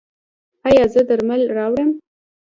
ایا زه درمل راوړم؟